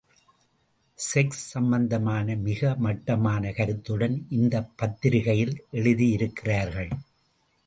Sex சம்பந்தமான மிக மட்டமான கருத்துடன் இந்தப் பத்திரிகையில் எழுதியிருக்கிறார்கள்.